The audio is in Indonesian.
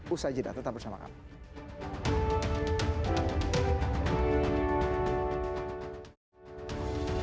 usha jeddah tetap bersama kami